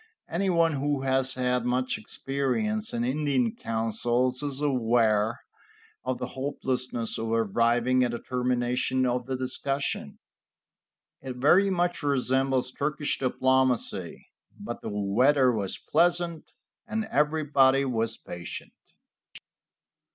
Anyone who has had much experience in Indian councils is aware of the hopelessness of arriving at a termination of the discussion. It very much resembles Turkish diplomacy. But the weather was pleasant, and everybody was patient.